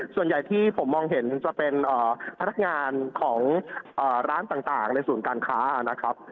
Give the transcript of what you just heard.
ส่วนใหญ่ที่ผมมองเห็นจะเป็นพนักงานของร้านต่างในศูนย์การค้านะครับ